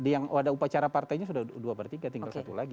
yang ada upacara partainya sudah dua per tiga tinggal satu lagi